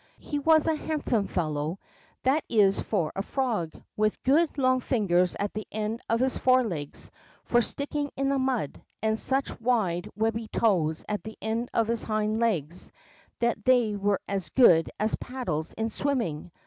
He was a handsome fellow, that is for a frog, with good long fingers at the end of his forelegs for sticking in the mud, and such wide, wehhy toes at the end of his hind legs that they were as good as paddles in swimming.